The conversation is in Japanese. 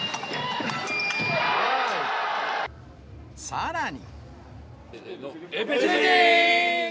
さらに。